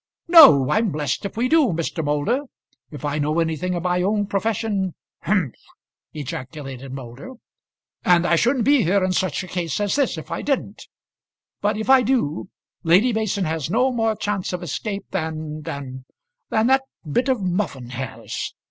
"No, I'm blessed if we do, Mr. Moulder. If I know anything of my own profession " "Humph!" ejaculated Moulder. "And I shouldn't be here in such a case as this if I didn't; but if I do, Lady Mason has no more chance of escape than than than that bit of muffin has."